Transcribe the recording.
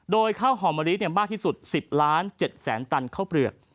โดยข้าวหอมมะลิมากที่สุด๑๐ล้าน๗แสนตันข้าวเปลือก